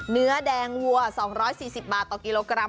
เนื้อแดงวัว๒๔๐บาทต่อกิโลกรัม